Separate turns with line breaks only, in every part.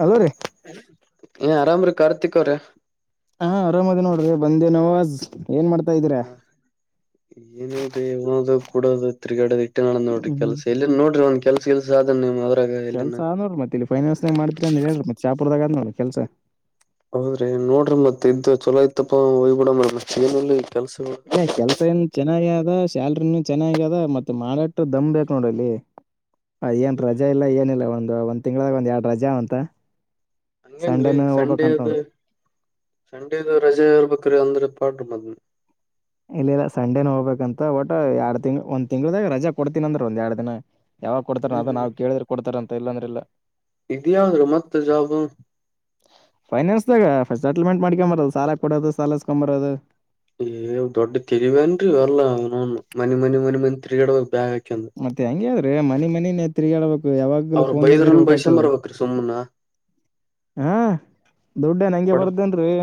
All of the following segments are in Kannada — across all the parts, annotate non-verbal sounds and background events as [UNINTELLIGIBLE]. ಹಲೋ ರೀ
ಏ ಆರಾಮ್ರೀ ಕಾರ್ತಿಕ್ ಅವರೇ
ಹಾ ಆರಾಮ್ ಅದ್ದೇನ್ ನೋಡ್ರಿ ಬಂದೆ ನವಾಜ್ ಏನ್ ಮಾಡ್ತಾ ಇದೀರಾ
ಹಾ ಏನಿಲ್ರೀ ಉಣೊದು ಕೂಡದು ತಿರುಗ್ಯಾಡದು ಮತ್ ಏನ್ ನಡದ ನೋಡ್ರಿ
ಹ್ಮ್
ಕೆಲಸ ಎಲ್ಲಿ ನೋಡ್ರಿ ಕೆಲಸ ಗಿಲಾಸ ಆದಾನ
ಕೆಲಸ ಆದ ನೋಡ್ರ ರೀ ಮತ್ ಇಲ್ಲಿ ಫೈನಾನ್ಸ್ ನಾಗ ಮಾಡತೀರಿ ಹೇಳ್ರರಿ ಮತ್ತ್ ಶಹಾಪುರದಾಗ ಅದ್ ನೋಡ್ರಿ ಕೆಲಸ
ಹೌದ್ರಿ ನೋಡ್ರಿ ಮತ್ ಇಂತ ಚಲೋ ಇತ್ತಪ್ಪ ಅಂದ್ರೆ ಹೋಗಿಬಿಡನ್ ಮತ್ ಏನಿಲ್ಲಾ
ಇಲ್ಲ ಕೆಲಸ ಏನ್ ಚೆನ್ನಾಗದ್ ಅದ ಶ್ಯಾಲ್ರಿ ಚೆನ್ನಾಗ್ಯದ ಮತ್ತ್ ಮಾಡಾಟ್ ದಮ್ ಬೇಕು ನೋಡಿಲ್ಲಿ ಹೆ ಏನ್ ರಜಾ ಇಲ್ಲ ಏನಿಲ್ಲ ಒಂದು ಒಂದ್ ತಿಂಗಳಗ ಒಂದ್ ಎರಡ್ ರಜಾ ಅವಾಂತ
ಹಂಗಂಗ್ರೀ ಸಂಡೇದು ಸಂಡೇದು ರಜೆ ಇರ್ಬೇಕ್ ನೌಕ್ರಿ ಅಂದ್ರೆ ಪಾಡ್ರಿ ಮ್
ಇಲ್ಲ ಇಲ್ಲ ಸಂಡೇನು ಹೋಗ್ಬೇಕಂತೆ ಒಟ್ಟ ಎರಡ್ ತಿಂಗ್ ಒಂದ್ ತಿಂಗಳದಾಗ ರಜಾ ಕೊಡ್ತೀನ ಅಂದ್ರೂ ಒಂದ್ ಎರಡ್ ದಿನ ಯಾವಾಗ ಕೊಡ್ತಾರ ಅದನ್ನ
ಹ್ಮ್
ನಾವು ಕೇಳಿದ್ರೆ ಕೊಡ್ತಾರ ಅಂತ ಇಲ್ಲ ಅಂದ್ರ ಇಲ್ಲ
ಇದ ಯಾವ್ದ್ರಿ ಮತ್ತ ಜಾಬ್
ಫೈನಾನ್ಸ್ ದಾಗ ಪಸ್ಟ್ ಸೆಟಲ್ಮೆಂಟ್ ಮಾಡ್ಕೊಂಬರದು ಸಾಲ ಕೊಡೋದು ಸಾಲ ಇಸ್ಕೂ ಬರೋದು
ಏ ದೊಡ್ಡ ತಿರಿವೇನ್ರಿ ಅಲ್ಲ ಅವೌನೌನ್ ಮನಿ ಮನಿ ಮನಿ ಮನಿ ತಿರ್ಗಾಡಾಗ ಬ್ಯಾಗ್ ಹಾಕಂದ
ಮತ್ತೆ ಹಂಗೆ ಆದ್ರಿ ಮನಿ ಮನಿನೇ ತಿರುಗಾಡಬೇಕು. ಯಾವಾಗ್ಲೂ
ಅವ್ರ
ಪೋನ್ ನ್ಯಾಗೆ
ಬೈದ್ರನ್ ಬೈಸಕೊಂಡ್
ಇರ್ಬೇಕಾಗ್ತದ
ಬರ್ಬೇಕ್ರಿ ಸುಮ್ನ
ಹಾ ದುಡ್ಡೇನ ಹಂಗೆ
ಕೊಡ
ಬರ್ದೇನ್ರರಿ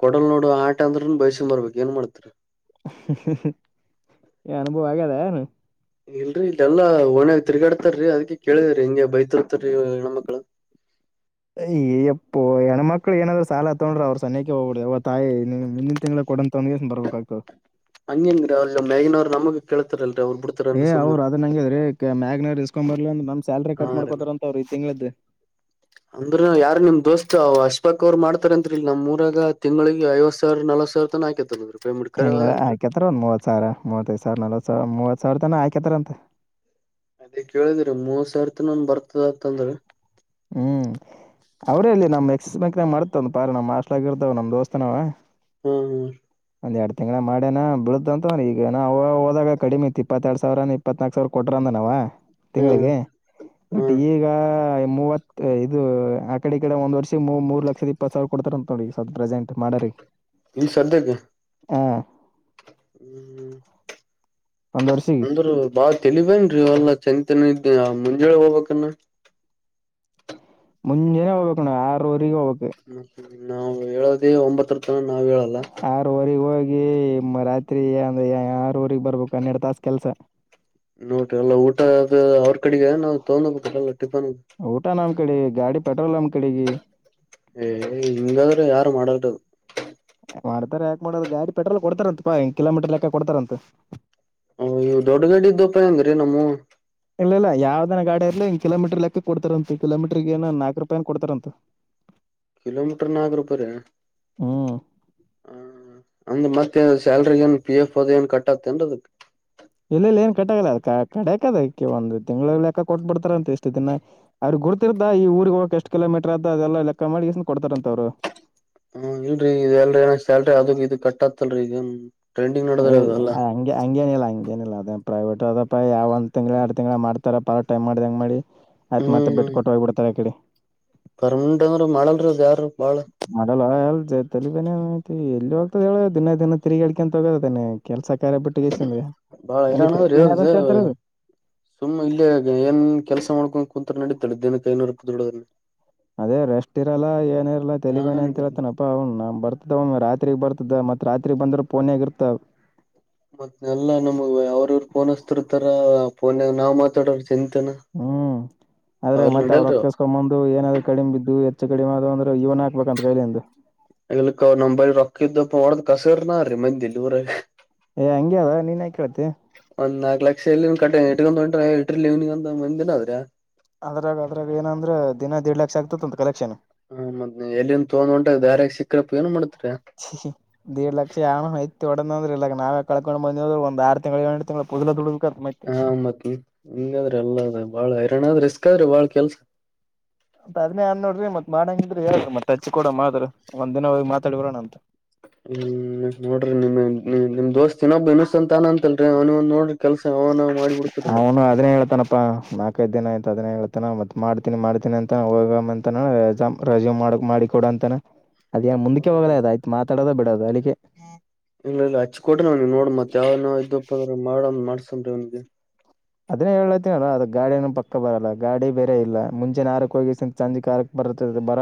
ಕೊಡಲ್ ನೋಡು ಆಟ ಅಂದ್ರೂನು ಬಯಸೊಂಡ ಬರ್ಬೇಕ್ ಏನ್ ಮಾಡ್ತ ರೀ
ಏ ಅನುಭವ ಆಗ್ಯದ ಏನ್
ಇಲ್ರರಿ ಇಲ್ಲೆಲ್ಲಾ ಒಣ್ಯಾಗ ತಿರ್ಗಾಡ್ತಾ ರೀ ಅದ್ ಕೇಳಿದ್ರಿ ಹಿಂಗೆ ಬೈತು ತ್ತಾರೀ ಹೆಣ್ಣಮಕ್ಕಳು
ಏ ಯಪೋ ಹೆಣ್ಣು ಮಕ್ಳು ಏನಾದ್ರೂ ಸಾಲ ತಗೊಂಡ್ರೆ ಅವ್ರರು ಸಂಗ್ಯಾಕೆ ಹೋಗ್ಬರದು ಅವ್ವ ತಾಯಿ ಮುಂದಿನ ತಿಂಗಳ ಕೊಡಂತ ತಂದು ಬರ್ಬೇಕಾಕು
ಹಂಗೇನಿಲ್ಲ ರೀ ಆ ಮ್ಯಾಗಿನವರು ನಮ್ಮನ್ನು ಕೇಳುತ್ತಾರೆ.
ಏ್ ಅವ್ ಅದ್ ನಂಗದ್ರೀ ಮ್ಯಾಗ್ನರ್ ಇಸ್ಕೊಂಬರ್ಲಿ
ಅರಿ ಅಂದ್ರ ಯಾರ ನಿಮ್ ದೋಸ್ತ ಅವ ಯಾರು ಬೇಕಂತ ಅವ್ ಮಾಡ್ತಾರ ಅಂತ ನಮ್ಮೂರಾಗ ತಿಂಗಳಿಗೆ ಐವತ್ತು ಸಾವಿರ ರಿಂದ ನಲವತ್ತು ಸಾವಿರ ವರೆಗೂ ಹಾಕಿಂತಾರಾ
ಇಲ್ಲಾ ಆಕ್ಯಾತರ ಒಂದ್ ಮೂವತ್ ಸಾವಿರ ಮೂವತ್ತೈ ಸಾವಿರ ಸಾವಿರ ನಲ್ವತ್ತು ಸಾವಿರ ಮೂವತ್ತು ಸಾವಿರದನ ಆಯ್ಕತಾರ ಅಂತೆ
ಅದೇ ಕೇಳಿದಿರ ಮೂವತ್ತ್ ಸಾವಿರ ತನ್ನ್ ಬರ್ತದ ಅಂತಂದ್ರ
ಹ್ಮ್ ಅವ್ರೇಲ್ಲಿ ನಮ್ಕ್ಸಸ್ ಬಂಕ್ನ ಮಾಡ್ತವ್ ಪಾರ ನಮ್ಮ್ಸ್ಟ್ ಆಗ ಇರ್ತವ ನಮ್ ದೋಸ್ತನವ
ಹ್ಮ ಹ್ಮ
ಒಂದ ಎರಡ್ ತಿಂಗ್ಳ ಮಾಡೇನ ಬಿಳು ಅಂತಂದ್ರ ಈಗ ನವು ಹದಾಗ ಕಡಿಮ ಇಪ್ಪತ್ತೆರಡು ಸಾವರ ಇಪ್ಪತ್ನಾಕ ಸಾವಿರ ಕೊಟ್ರ ನ
ಹ್ಮ್ ಹ್ಮ್
ತಿಂಗಳಿಗೆ ಬಟ್
ಹ್ಮ್
ಈಗ ಮೂವತ್ತು ಇದು ಆ ಕಡೆ ಈ ಕಡೆ ಒಂದ್ರ್ಷ ಮೂರ್ ಲಕ್ಷದ ಇಪ್ಪತ್ ಸಾವರ ಕೊಡ್ತಾರ ಅಂತ ನೋಡಿ ಸ್ವಲ್ ಪ್ರೆಸೆಂಟ್ ಮಾಡರಿ
ನೀನ್ ಸದ್ಯಕ್ಕೆ
ಹಾ
ಹ್ಮ
ಒಂದ್ ವರ್ಷಿಗೆ
ಅಂದರು ಬಾ ತಳವೇನ್ ರೀಲ್ಲ ಚ ಮ ಇದ ಮುಂಜಾನೆ ಹೋಗ್ಬೇಕಾನ
ಮುಂಜೆನೆ ಹೋಗ್ಬೇಕುಅಣ್ಣಾ ಆರೂವರೆ ಹೋಗ್ಬೇಕು
ಮತ್ತ ನಾವು ಹೇಳದೇ ಒಂಬತ್ತರ ತನ ನಾವ್ ಹೇಳಲ್ಲ
ಆರವರೆಗೆ ಹೋಗಿ ರಾತ್ರಿ ಅಂದ್ರೆ ಆರವರಿಗೆ ಬರರ್ಬೇಕು ಹನ್ನೆರಡು ತಾಸ ಕೆಲ್ಸ
ನೋಡ್ರಿ ಎಲ್ಲ ಊಟ ಅ ಅವ್ರ ಕಡೆಗೆ ನಾವವು ತಗೊಂಡ್ ಹೋಗ್ಲ್ಲ ಟಿಫನ್
ಊಟ ನಮ್ ಕಡೆ ಗಾಡಿ ಪೆಟ್ರೋಲ್ ಅಮ್ಮ ಕಡೆಗೆ
ಏ ಹಿಂಗಾದ್ರೆ ಯಾರು ಮಾಡಾರ್ದದು
ಮಾಡ್ತಾರ ಯಾಕ್ ಮಾಡೋದು ಗಾಡಿ ಪೆಟ್ರೋಲ್ ಕೊಡ್ತಾರಂತ ಪಾ ಹೆ ಕಿಲೋಮೀಟರ್ ಲೆಕ್ಕ ಕೊಡ್ತಾರಂತ
ದೊಡ್ಡ ಗಡ್ಡ್ದು ಉಪಾಯ ಅಂದ್ರೀ ನಮ್ಮ
ಇಲ್ಲ ಇಲ್ಲ ಯಾವ್ದನ ಗಾ ಇಲಿ ಹಿ ಕಿಲಮೀಟರ್ ಲೆಕ್ಕ ಕೊಡ್ತಾರಂತ ಕಿಲೋಮಿಟ್ರ ಏ ನಾಕ್ ರೊಪಾಯಿ ಕೊಡ್ತಾರ ಅಂತ
ಕಿಲೋಮೀಟರ್ ನಾಲ್ಕು ರೂಪಾಯಿ ರ
ಹ್ಮ್
ಹ ಅಂದ್ರ ಮತ್ತ ಸ್ಯಲ್ರಿ ಏನ್ ಪಿ ಎಫ್ ಅದ ಏನ್ ಕಟ್ತ್ತನ್ ಅದಕ್
ಇಲ್ಲ ಇಲ್ಲಿ ಏನ್ ಕಟ್ಟಾಗಲ್ಲ ಅ ಕಡಕ್ದ ಒಂದ್ ತಿಂಗಳ ಲೆಕ್ಕ ಕೊಟ್ಬಿಡ್ತಾರಂತ ಎಷ್ಟು ದಿನ ಅವ್ರಗ್ ಗುಡ್ತಿರ್ದ ಈ ಊರಿಗೆಗ್ ಹೋಗಕಕ್ ಎಷ್ಟ ಕಿಲೋಮೀಟರ್ ಅದ್ದ ಅದೆಲ್ಲ ಲೆಕ್ಕ ಮಾಡಿಸ ಕೊಡ್ತಾರಂತ ಅವ್ರು
ಹ್ಮ ಇಲ್ರಿ ಇಲ್ರಿ ಏನ ಸಲ್ರಿ ಅದ್ ಇದು ಕಟ್ ಆತಲ್ರರಿ ಈಗನ್
ಏ ಹಂ ಹಂಗೇನಿಲ್ಲ ಹಂಗೇನಿಲ್ಲ ಅದೇ ಪ್ರೈವೇಟ್ ಅದಪ್ಪ ಯಾವ ಒಂದ್ ತಿಂಗಳ ಎಡು ತಿಂಗ್ಳ ಮಾಡ್ತಾರ ಪ ಟೈಮ್ ಮಾಡ್ದ ಹೆಂಗ ಮಾಡಿ ಆಯ್ತ್ ಮತ್ತೆ ಬಿಟ್ಟ ಕೊಟ್ಟ ಹೋಗ್ಬಿಡ್ತಾರೆ ಆ ಕಡೆ
ಪರ್ಮೆಂಟ್ ಅಂದ್ರ ಮಾಡಲ್ರು ಯಾರು ಬಾಳ
ಮಾಡಲ್ಲ ಎಲ್ ಜತಲ್ಲಿ ಬೇನೆೇ ಎಲ್ಲಿ ಹೋಗ್ತದ ಹೇಳ ದಿನ ದಿನ ತಿರುಗಿಳಿಕಂತ ಹೋಗದ ಕೆಲ್ಸ ಕರೆ ಪೊಟ್ಟಿ ಕೆಸ ಅತ್ರದು
ಸುಮ್ಮ್ ಇಲ್ಲಿಯ ಏನ್ ಕೆಲ್ಸ ಮಾಡ್ಕೊಂಡು ಕುೂಂತರ ನಡೀತಾಳೆ ದೇನಕ್ಕೆ ಐನೂರಪ್ಪ ದದುಡೋದೆ
ಅದೇ ರೆಸ್ಟ್ ಇರಲ್ಲ ಏನ
ಹಾ
ಇರಲ್ಲಾೆಲವೇನ
ರೀ
ಅಂತ
ಮತ್
ಹೇಳ್ತಾನಪ್ಪಾ ಅವ್ನು ನಮ್ ಬರ್ತದವ ರಾತ್ರಿ ರಾತ್ರಿಗ್ ಬರ್ತದೆ ಮತ್ತ ರಾತ್ರಿ ಬಂದ್ರೆ ಪೋನಗ ಇರ್ತ
ಮತ್ ಎಲ್ಲಾ ಪೋನ್ ನಾ ಮಾತಾಡ
ಹ್ಮ್ ಅದ್ರಾಗ ಮತ್ತ
ನಡಲ್ರಿ
ಅವ್ರುಕ್ಕಸ್ಕೊಂಡ್ ಬಂದು ಏನಾದ್ರು ಕಡಿಮ ಬಿದ್ದು ಹೆಚ್ಚ ಕಡಿಮೆ ಅಂದ್ರೆ ಇವನ ಹಕ್ಬೇಕ ಅಂತ ಕೈಲೆಂದು
ಇಕ್ಕ ನಂಬೈಲ್ ರೊಕ್ಕಿದ್ದಪ್ಪ ಒಡದ್ ಕಸರ್ ನ ರೀ ಮಂದಲ್ಲಿ ಊರ
ಏ ಹಂಗಗೆ ಅ ನೀನ್ ಹೇ ಕೇಳತ್ತ
ಕ ಇಟ್ಕೊಂಡ್ ಇರ್ಲಿಗಂದು ಮಂದಿನ ಆದದ್ರ
ಅದ್ರಾಗ ಅದ್ರಾಗ ಏನ ಅಂದ್ರೆ ದಿನ ದೇಡ್ ಲಕ್ಷ ಆಗ್ತ ಅಂತ ಕಲೆಕ್ಷನ್
ಹ ಮದ್ ಎಲ್ಲಿಂದ ತೊಡ್ ಹೊಂಟಾಗ ದಾರ್ಯ ಸಿಕ್ಕ್ರಪ್ಪ ಏನ್ ಮಾಡುತ್ತೆ
ದೀಡ್ ಲಕ್ಷ ಆನಯ್ತ ಒಡಂದ್ರೆ ಇಲ್ಲ ನಾವೇ ಕಳ್ಕೊಂಡು ಬಂದ್ರ ಒಂದು ಆರು ತಿಂಗಳು ಎಏು ತಿಂಗಳು ಪದ
ಹಾ ಮತ್ ಹಿಂಗಾದ್ರಿ ಎಲ್ಲ ಅದ ಬಾಳ ಹೈರಣಾಣ ಆದ್ರ ರಿಸ್ಕ್ ಆದ್ರಿ ಬಾಳ್ ಕೆಲ್ಸ
ಆದ್ಮಿ ಅನ್ ನೋಡ್ರಿ ಮತ್ ಮಾಡಂಗಿದ್ರಿ ಹೇಳ್ರಿ ಮತ್ತತ್ ಅಚ್ಚಿ ಕೂಡ ಮಾಡ್ರರು ಒಂದ್ನ ಹೋಗಿ ಮಾತಾಡಬರೋಣ ಅಂತ
ಹ್ಮ್ ನೋಡ್ರಿ ನಿಮ ನಿಮ್ ದೋಸ್ತ್ ಸಿನೊಬ್ ಇನ್ಸ ಅಂತ ತಾನ ಅಂತಲ್ರಿ ಅವ್ನ್ ನೋಡ್ರ ಕೆಲ್ಸ ಅವನ್ ಮಾಡಿ ಬಿಡ್ತರಿ ನ್
ಕ ಇದ್ದೀನ ಆಯ್ತ ಅದೇ ಹೇಳ್ತಾನ ಮತ್ ಮಾಡ್ತೀನಿ ಮಾಡತನಿ ಅಂತ ಹೋಗಂತೆಸ್ಯೂ ಮಾಡಿಕ ಕೊಡ ಅಂತಾನ ಅದ ಮುಂದ್
ಹೌದ್ರಿ
ಹೋಗ್ಲ ಅದ ಆಯ್ತ ಮಾತಾಡೋದ ಬಿಡೋದು ಅಲ್ಲಿಕ್ಕೆ
ಇಲ್ಲ ಇಲ್ಲ ಹಚ್ಚಿ ಕೊಟ್ರಿ ಅವ್ನಿಗೆ ನೋಡ್ ಮತ್ ಯಾವನಾವ ಇದಪ್ಪ ಅಂದ್ರ ಮಾಡ ಮಾಡ್ಸನ್ ಅವ್ಗೆ
ಅದನ್ನೇ ಹೇಳಳ್ತನ ಅದ ಗಾಡ ಪಕ್ಕ ಬರಲ್ಲ ಗಾಡಿ ಬೇರೆ ಇಲ್ಲ ಮುಂಚೆ ನಾರಕ್ ಹೋಗಿ ಸಂಜೆ ಕಕ್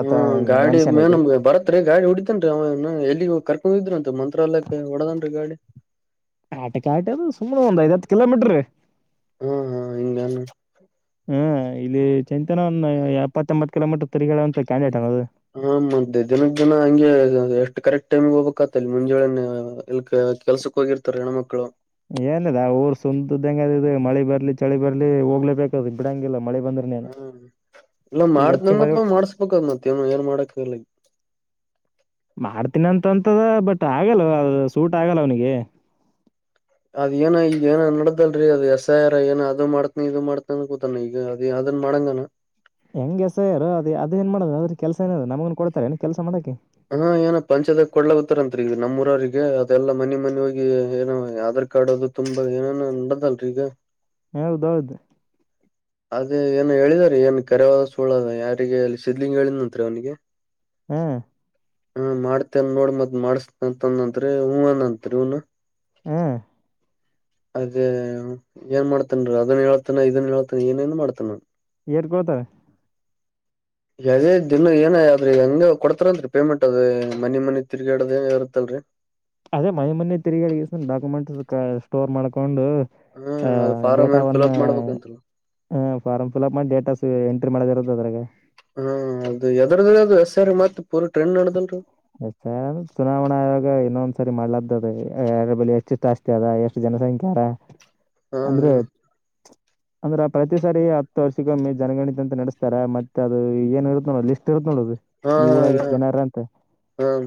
ಹ್ಮ ಗಾಡಿ ಮೇನ್ಮ್ ಬರತ್ರಿ ಗಾಡಿ ಹೊಡಿತೇನ್ ಅವನ ಎಲ್ಲಿ ಕರ್ಕೊಂಡಿದ್ರ
ಆಟೆ ಕಾಟಿ ಅದು ಸುಮ್ಮನೆ ಒಂದು ಐದು ಹತ್ತು ಕಿಲೋಮೀಟರ್
ಹಾ ಹಾ ಹಿಂಗಾನ
ಹ್ಮ ಇಲ್ಲಿ ಚಿಂತನನ್ ಒ ಎಪ್ಪತ್ತ ಎಂಬತ್ ಕಿಲೋಮೀಟರ್ ತರಿಗಂತ ಕ್ಯಾಂಡ
ಹ ಮದ್ದೆ ದಿನಕ್ ದಿನ ಹಂಗೆ ಎಷ್ಟು ಕರೆಕ್ಟ್ ಟೈಮಗ್ ಹೋಗ್ಬೇಕಕ್ ಆತ ಇಲ್ಲಿ ಮುಂಜೆಳನೆ ಇ ಕೆಲ್ಸಕ್ ಹೋಗಿರ್ತಾರೆ ಹೆಣ್ಮ ಮಕ್ಳು
ಏನದ ಊರ್ ಸುಂದದ್ದಂಗ ಮಳಿ ಬರ್ಲಿ ಚಳಿ ಬರ್ಲಿ ಹೋಗ್ಲೇಬೇಕ ಬಿಡಂಗಿಲ್ಲ ಮಳೆ ಬಂದ್ರೆ ನೀನು
ಹ್ಮ್ ಇಲ್ಲ
ಈಗ
ಮಾಡ್ತ್
ಹೆಚ್ಚಿ ಮಳೆ
ನಂದಪ್ಪ ಮಾಡ್ಸ್ಬೇಕದ್ ಮತ್ತ ಏನ್ ಮಾಡಕ್ ಹೇಳ
ಮಾಡ್ತೀನಿ ಅಂತಂತದ ಬಟ್ ಆಗಲ್ಲ ಸೂಟ್ ಆಗಲ್ಲ ಅವನಿಗೆ
ಅದ ಏನ ಈಗ ಏನ ನಡ್ದಲ್ರರಿ ಅದು ಎಸ್ ಐ ಆರ್ ಏ ಅದ್ ಮಾಡ್ತನ ಇದು ಮಾಡ್ತನ ಅನ್ ಕೂತಾನ ಈಗ ಅ ಅನ್ ಮಡಂಗಣ
ಹೆಂಗಗೆ ಎಸ ಯಾರರು ಅದು ಅದೇಏನ್ ಮಾಡ್ ಅ್ರ ಕೆಲಸ ಏನ ಅದ ನಮಗನ್ ಕೊಡ್ತಾರೆ ಏನ್ ಕೆಲ್ಸ ಮಾಡಕಿ
ಹಾ ಏನ ಪಂಚದಾಗ ಕೊಡ್ಲಾಗತ್ತಾರಂತ್ರಿ ಈಗ ನಮ್ಮೂಊರವರಿಗೆ ಅದೆಲ್ಲಾ ಮನೆ ಮನೆ ಹೋಗಿ ಏನ ಯ ಕಾಡೋದು ತುಂಬಾ ಏನ ನಡದಲ್ರರಿ ಈಗ
ಹೌದೌದು
ಅದೇ ಏನು ಹೇಳಿದಾರ ಏನ್ ಕರೆವಾದ ಸುಳ್ಳದ ಯಾರಿಗೆ ಅಲ್ಲಿ ಸಿದ್ಲಿಂಗ್ ಹೇಳಿದ್ಂತ್ರಿ ಅವನಿಗೆ
ಹ್ಮ್
ಹಾ ಮಾಡ್ತೇನ್ ನೋಡ್ ಮತ್ತ್ ಮಾಡ್ಸ್ ಅಂತನ್ಂದ ಹೂನ್ತ್ರಿ ಹೂನ
ಹ್ಮ
ಅದೇ ಏನ್ ಮಾಡ್ತನ್ ಅದನ್ ಹೇಳ್ತಾನ ಇದನ್ ಹೇಳ್ತಾನ ಏನೇನ್ ಮಾಡ್ತನ
ಎರ್ ಕೋತಾರ
ಅದೇ ದಿನ ಏನ ಅದ್ರಿ ಹೆಂಗ ಕೊಡ್ತಾರನ್ರಿ ಪೇಮೆಂಟ್ ಅದ್ ಮನಿ ಮನಿ ತಿರ್ಗಾಡದ ಇರುತ್ತಲ್ರರಿ
ಅದೇ ಮನೆ ಮನೆ ತಿರುಗಿಗ ಡಾಕ್ಯುಮೆಂಟ್ಸ್ ಸ್ಟೋರ್ ಮಾಡ್ಕೊಂಡು
ಹ್ಮ್ ಅದ್
ಆಹ
ಫಾರಂ ಏನ್
ಡೇಟಾವನ್ನ
ಫಿಲ್ಅಪ್ ಮಾಡ್ಬೇಕಂತಲ್ಲ
ಹ ಫಾರ್ಮ್ ಫಿಲ್ಅಪ್ ಮಾಡಿ ಡೇಟಾಸ್ ಎಂ ಮಾಡದ ಇರತ್ತದು ಅದ್ರಾಗ
ಹ್ಮ ಅದು ಎದರದ ಅದು ಎಸ್ ಮತ್ ಪೂರ್ ಟ್ರೆನ್ ನೋಡದಲ್ರಿ
ಎ ಚುನಾವಣಾ ಆಯೋಗ ಇನ್ನೊಂದ್ಸರಿ ಮಾಡ್ಲ್ದದ ಎರ ಬಳ ಎಷ್ಟು ಜಾಸ್ತಿ ಅದ ಎಷ್ಟು ಜನಸಂಖ್ಯಾರ
ಹಾ
ಅಂದ್ರೆ ಅಂದ್ರ ಪ್ರತಿ ಸಾರಿ ಹತ್ತು ವರ್ಷಗೊಮ್ಮೆ ಜನಗಣಿತ ಅಂತ ನಡೆಸ್ತಾರೆ ಮತ್ತತ್ ಅದು ಏನ್ ಇರುತ್ತೋ ಲಿಸ್ಟ್ ಇರುತ್ತ ನೋಡುದು ಈ ಊರಾಗಷ್ಟು ಜನರ ಅಂತ
ಹ್ಮ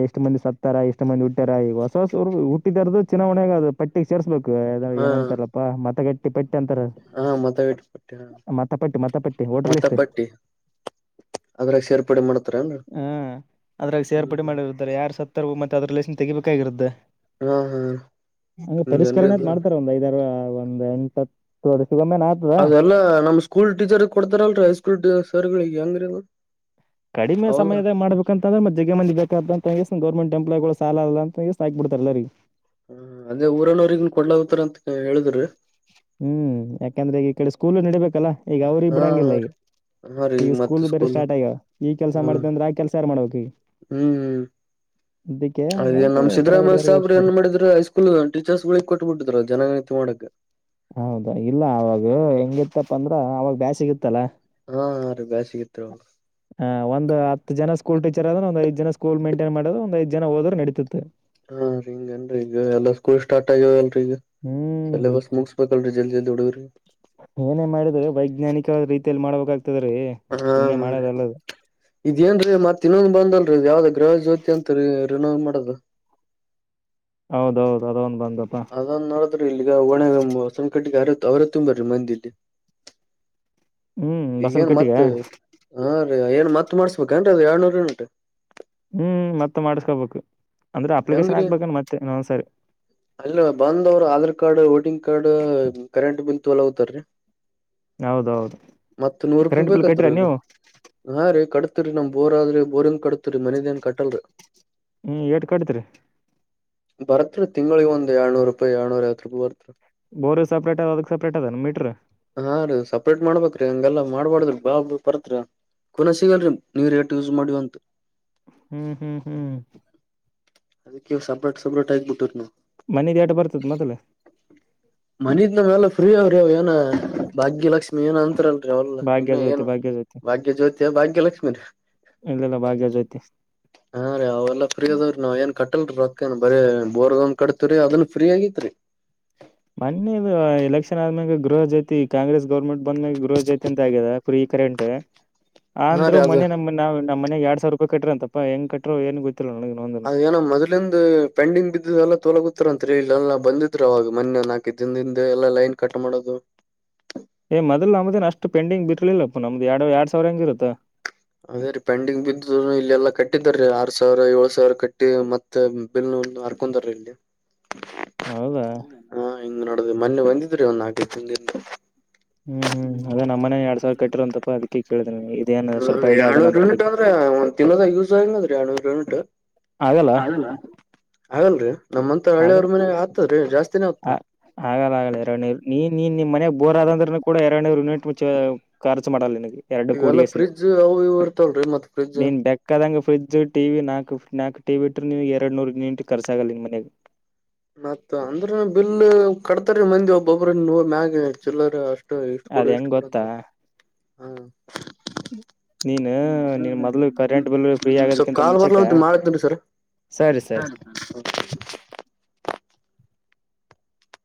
ಎಷ್ಟ್ ಮಂದಿ ಸತ್ತಾರ ಎಷ್ಟ ಮಂದಿಟ್ಟ್ಯಾರ ಈಗ ಹೊಸ ಹೊಸರು ಹುಟ್ಟಿದಾರದು ಚನ್ನ ಒಣೆಗ ಅದು ಪಟ್ಟಿಿಗೆ ಸೇರ್ಸ್ಬೇಕು
ಹಾ
ಏನಂತಾರಪ್ಪಾ ಮತಗಟ್ಟಿ ಪಟ್ಟಿ ತ
ಹಾ ಮತಗಟ್ಟ ಪಟ್ಟಿ ಹ
ಮತಪಟ್ಟಿ ಮತಪಟ್ಟಿ ವೋಟರ್
ಮತ
ಲಿಸ್ಟ್
ಪಟ್ಟಿ ಅದ್ರಾಗ ಸೇರ್ಪಡೆ ಮಾಡ್ತಾರ ಅಲ್ಲ
ಅದ್ರಾಗಿ ಸೇರ್ಪಡೆ ಮಾಡಿರ್ರೆ ಯಾರ ಸತ್ತರ್ರು ಮತ್ತೆ ಅದ ರಿಲೇಷನ್ ತೆಬೇಕಾಗಿರುತ್ತೆ
ಹಾ ಹಾ
ಹಂಗ
ಹಿಂಗೇನ್ರಿ
ಪರಿಷ್ಕರಣೆತ್
ಇದು
ಮಾಡ್ತಾರೆ ಒಂದ್ ಐದಾರ ಒಂದ್ಎಂಟು ಹತ್ತು ವರ್ಷ
ಅದದೆಲ್ಲಾ ನಮ್ ಸ್ಕೂಲ್ ಟೀಚರ್ ಕೊಡ್ತಾರಲ್ರ ಹೈಸ್ಕೂಲ್ಟ ಸರ್ಗಳಗ್ ಹೆಂಗರೀ
ಕಡಿಮೆ ಸಮಯದ ಮಾಡ್ಬೇಕಂತ ಅಂದ್ರೆ ಮತ್ತ್ ಜಜಗ ಮೇಲಿ ಬೇಕಾದಂತ ಗೌರ್ಮಂಟ್ ಎಂಪ್ಲಾಯಿ ಗಳು ಸಾಲ ಅಂತಷ್ಟ ಹಕಕ್ ಬಿಡ್ತಾರಲ್ಲರಿಗೆ
ಹ ಅದೇ ಊರನೋ್ರಗನ್ ಕೊಡ್ಲ ಹತಾರ ಅಂತ ಹೇಳಿದ್ರಿ
ಹ್ಮ್ ಯಾಕಂದ್ರೆ ಈ ಈ ಕಡೆ ಸ್ಕೂಲ ನೆಡಬೇಕಲ್ಲ ಈಗ ಅವ್ರ
ಹಾ
ಬಿಡಂಗಿಲ್ಲ ಈಗ
ಹಾ ರೀ
ಈಗ
ಮತ್ತ
ಸ್ಕೂಲ್ ಬೇರೆ ಸ್ಟಾರ್ಟ್ ಆಯ್ಯ ಈ ಕೆಲ್ಸ ಮಾಡ್ತ ಅಂದ್ರೆ ಆ ಕೆಲ್ಸ ಯಾರು ಮಾಡ್ಬೇಕಿ
ಹ್ಮ್ ಹ್ಮ್ ಅದೇ
ಹಂಗಂತ
ನಮ್
ಪ್ರೈವೇಟ್
ಸಿದ್ದರಾಮಯ್ಯ
ದಾರಿಗೆ
ಸಾಬರು ಏನ್
ಒಪ್ಸ್ಬಿಟ್ರ
ಮಾಡಿದ್ರು ಐಸ್ಕೂಲ್ ಟೀಚರ್ಸ್ ಗಳಿಗೆ ಕೊಟ್ಟುಬಿಟ್ಟಿದ್ರು ಜನ ತೊಣಕ
ಹೌದಾ ಇಲ್ಲ ಅವಾಗ ಹೆಂಗಿತ್ತಪ್ಪ ಅಂದ್ರ ಅವಾಗ ಬೇಾಸಗಿತ್ತ
ಹಾ ಆ ರ ಬ ಸಿಗತ್ ಅವ
ಒಂದ ಹ ಜನ ಸ್ಟೀಚರ್ ಆದದ್ರ ಒಂದ್ಐದ್ ಜನ ಸ್ ಮೈಂಟನ್ ಮಾಡೋ ಒಂದ್ಐದ ಜ ಹೋದ್ರು ನಡಿತತೆ
ಹಾ ರೀ ಹಿಂಗೇನ್ರಿ
ಹ್ಮ್
ಸೆಲೆಬಸ್ ಮುಗಸ್ಬೇಕಲ್ರೀ ಜಲ್ದಿಲ್ ಹುಡುಗ್ರಿ
ಏನೇ ಮಾಡಿದ ವೈಜ್ಞಾನಿಕ ರೀತಿಯಲ್ಲಿ ಮಾಡಬೇಕಾಗ್ತದೆ
ಹಾ ಹ್ಮ ರೀ ಇದೇಏನ್ರೀ ಮತ್ತ ಇನ್ನೊಂದ್ ಬಂದಲ್ರರಿ ಯಾವ್ದ ಪ್ರವ ಜ್ಯೋತಿ ಅಂತ ರೀ ರಿನೋ ಮಾಡೋದು
ಹೌದ ಹೌದು ಅದೊಂದ ಬಂದ
ಅದನ್ ನೋಡದ್ರಿ ಇಲ್ಲಿಗ ಒಣ ಸಂಕಟ್ಟಿಗೆರ ಅವರ ತುಂಬರ್ರಿ ಮಂದಿಲ್ಲಿ
ಹ್ಮ್ ಬಸನ್
ಈಗಏನ್
ಕಟ್ಟಿಗೆ
ಮತ್ ಹಾ ರೀ ಏನ್ ಮತ್ ಮಾಡಸ್ಬೇಕ ಏನ್ ಅದು ಎರನೂರಂಟ
ಹ್ಮ್ ಮತ್ತೆ ಮಾಡಸ್ಕೊಬೇಕು
ಹೆಂಗ್ರೀ ಅಲ್ಲ ಬಂದವರು ಆಧಾರ್ ಕಾರ್ಡ್ ಗ್ ಕಾರ್ಡ್ ಕರೆಂಟ್ ಬಿಲ್ ತಲ ಹತಾರೀ
ಹೌದೌದು
ಮತ್ತ ನೂರು ರೂಪಾಯಿ
ಕರೆಂಟ್ ಬಿಲ್ ಕಟ್ಟಿರ ನೀವು
ಬೇಕತ್ಹಾ ರೀ ಕಡತೀರಿ ನಮ ಬೋರ್ ಆದ್ರಿ ಬೋರಿಂಗ್ ಕಡತ್ರಿ ಮನದನ್ ಕಟಲ್ರಿ
ಹ್ಮ್ ಏಟ್ ಕಟ್ತ್ರಿ
ಬರತ್ರಿ ತಿಂಗಳಿ ಒಂದಂದು ಎಳ್ನೂರು ರೂಪಾಯಿ ಎಳ್ನೂರ ಐವತ್ತು ರೂಪಾಯಿ ಬರ್ತ್ರಿ
ಬೋರ್ ಸಪ್ರೇಟ್ ಅದ ಅದಕ್ ಸಪ್ರೇಟ್ ಅದ ಮೀಟ್ರ್
ಹಾ ರೀ ಸಪ್ರೇಟ್ ಮಾಡ್ಬೇಕ್ರೀ ಹಂಗೆಲ್ಲ ಮಾಡಬಾರ್ದ್ರ ಬಾ ಪರತ್ರಿ ಕೊನ ಸಿಗಲ್ರಿ ನೀವ್ರಟ್ ಯೂಸ್ ಮಾಡಿವ ಅಂತ
ಹ್ಮ್ ಹ್ಮ್ ಹ್ಮ್
ಅದಕ್ಕೆ ಸಬ್ರಾಟ್ ಸಬ್ರಾಟ್ ಆಗಗ್ಬಿಟ್ಟು್ ನವು
ಮನಿದ ಏಟ್ ಬರ್ತದ ಮೊದಲ
ಮನ ರತ್ ನ ವಾಲಫ್ರೀ ಅವ ಏನ ಭಾಗ್ಯಲಕ್ಷ್ಮಿ ಏನ ಅಂತರಲ್ ಅವಲ್ಲ
ಭಾಗ್ಯ
ನಿನ್ನ
ಜ್ಯೋತಿ
ಏನು
ಭಾಗ್ಯ ಜ್ಯೋತಿ
ಭಾಗ್ಯ ಜ್ಯೋತಿ ಭಾಗ್ಯಲಕ್ಷ್ಮೀ ರ
ಇಲ್ಲೆಲ್ಲ ಭಾಗ್ಯ ಜೊತಿ
ಹಾ ರೀ ಅವೆಲ್ಲ ಫ್ರೀ ಅದಾವ್ರೀ ನಾವ್ ಏನ್ ಕಟ್ಟಲ್ರಿ ರೊಕ್ಕನ್ ಬರಿ ಬೋರ್ಗಮ್ ಕಟ್ತರಿ ಅದನ್ ಫ್ರೀ ಆಗೇತ್ರಿ
ಹ ಮೊೆ ಇದು ಎಲೆಕ್ಷನ್ ಆದ್ಮ್ಯಾಗ ಗೃಹ ಜಾತಿ ಕಾಂಗ್ರೆಸ್ ಗೌರ್ಮೆಟ್ ಬಂದ್ಮ್ಯಾಗ ಗೃಹ ಜಾತಿ ಅಂತ ಆಗಿದೆು ಈ ಕರೆಂಟ್
ಹಾ
ಅಂದ್
ರೀ ಅದ
ಮನೆ ನಮ್ ನಾವ್ ನಮ್ಮ ಮನೆಗ್ ಎರಡ್ ಸಾವಿರ ರೂಪಾಯಿ ಕಟ್ಟ್ರ ಅಂತಪ್ಪಾ ಹೆಂಗ್ ಕಟ್ಟ್ರರು ಏನ್ ಗೊತ್ತ
ಅದ ಏನ ಮೊದ್ಲಿ್ ಪೆಂಡಿಂಗ್ ಬಿದ್ದು ಎಲ್ಲಾ ತೋಲಗ ಇಂತ ಇಲ್ಲ ಎಲ್ಲಾ ಬಂದಿದ್ರ ಅವಾಗ ಮನನ್ ಹಾಕಿದ್ದ ದಿನಿಂದ ಎಲ್ಲಾ ಲೈನ್ ಕಟ್ ಮಾಡೋದು
ಏ ಮೊದಲ್ ನಮ್ದೇನ್ ಅಷ್ಟು ಪೆಂಡಿಂಗ್ ಬಿರ್ಲಿಲ್ಲಪ್ಪ ನಮ್ದ ಎಡು ಎರಡ್ ಸಾವಿರ ಹಂಗಿರುತ್ತಾ
ಅದೇ ರೀ ಪೆಂಡಿಂಗ್ ಬಿದ್ದ ಇಲ್ಲ ಎಲ್ಲಾ ಕಟ್ಟಿದಾರೀ ಆರ್ ಸಾವಿರ ಏಳ ಸಾವಿರ ಕಟ್ಟಿ ಮತ್ತ ಬಿಲ್ ಅರ್ಕೊೊಂಡರ ಇಲ್ಲಿ
ಹೌದಾ
ಹಾ ಹಿಂಗ್ ನೋಡುದು ಮೊನ್ನೆ ಬಂದಿದ್ರಿ ಒಂದು ನಾಕೈ ತಿಿಂದ
ಹ್ಮ್ ಹ್ಮ್ದೇ ನಮ್ಮನೇ ಎರಡ್ ಸಾವಿರ ಕಟ್ಟಿರ ಅಂತ ಅದಕ್ಕೆ ಕೇಳಿದ್ರಿ ಇದೇಏನ
ಹ್ಮ ಎರ್ಡ್ನೂರ್ ಯುನಿಟ್ ಅ್ರೆ ಒಂದ ತಿನ್ಲದ ಯೂಸ್ ಆಗನ್ರೆ ಎಏಡ್ನೂರ್ ಯೂನಿಟ್
ಆಗಲ್ಲ
ಅಲ್ಲ ಹಾಗಲ್ರಿ ನಮ್ಮಂತ
ಆಗಲ್ಲ
ಹಳ್ಳಿಯವ್ರ ಮನ್ಗ ಆಗ್ತದ್ರೀ ಜಾಸ್ತಿ
ಆ ಆಗಲ್ಲ ಆಗಲ್ಲ ಎರಡುರು ನೀ ನೀನ್ ನಿಮ್ಮ ಮನೆಯಗ್ ಬೋರ್ ಆದಂದ್ರನುೂ ಕೂಡ ಮು ಖರ್ಚ ಮಾಡಗೆ ಎರಡು ಕೂಡಿ
ಇವೆಲ್ಲಾ
ಕೆಸ
ಫ್ರಿಜ್ ಅವು ಇವು ಇರ್ತವಲ್ರಿ ಮತ್ ಫ್ರಿಜ್
ನೀನ್ ಬೆಕ್ಕದಂಗ ಫ್ರಿಜ್ ಟಿ ನಾಲ್ಕು ನಾಲ್ಕು ಟಿ ಇಟ್ಟುವು ಎರಡು ನೂರು ಯೂನಿಟ್ ಖರ್ಚಾಗಗಲ್ಲ ನಿಮ್ಮ ಮನೆಗೆ
ಮತ್ತ ಅಂದ್ರೆ ಬಿಲ್ ಕಟ್ತರಿ ಮಂದಿ ಒಬ್ಬೊಬ್ಮ್ಯಾಗ ಆಕ್ಚುಲರ್ ಅಷ್ಟು ಇಷ್ಟ ಕೊಡು ಇಷ್ಟ ಕೊಡಂತ
ಹ್ಮ ಫ್ರೀ
ಸ್ವಲ್ಪ್
ಆಗೋದಕ್ಕಿಂತ
ಕಾಲ್
ಮುಂಚೆಕ
ಬರ್ಲಂತ ಮಾಡತ್ನ್ರಿ ಸರ್ ಸರಿ
ಸರಿ ಸರಿ
ಸ [UNINTELLIGIBLE]